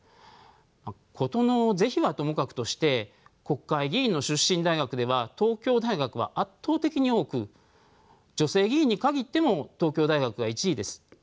ことの是非はともかくとして国会議員の出身大学では東京大学は圧倒的に多く女性議員に限っても東京大学が１位です。